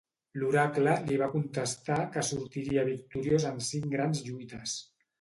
L'oracle li va contestar que sortiria victoriós en cinc grans lluites.